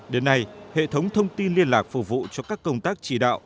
đến nay hệ thống thông tin liên lạc phục vụ cho các công tác chỉ đạo